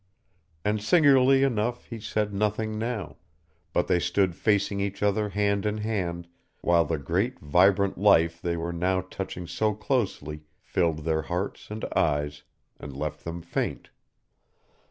And singularly enough he said nothing now, but they stood facing each other hand in hand, while the great vibrant life they were now touching so closely filled their hearts and eyes, and left them faint.